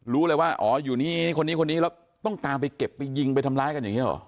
รู้เลยว่าอ๋ออยู่นี่คนนี้คนนี้แล้วต้องตามไปเก็บไปยิงไปทำร้ายกันอย่างนี้หรอ